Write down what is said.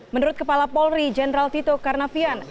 menurut kepala polri jenderal tito karnavian